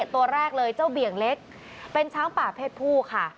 ตัวแรกเลยเจ้าเบี่ยงเล็กเป็นช้างป่าเพศผู้ค่ะ